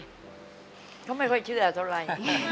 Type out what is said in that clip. เขาไม่ค่อยเชื่อเท่าไร